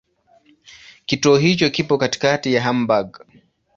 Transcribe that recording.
Kituo hicho kipo katikati ya Hamburg.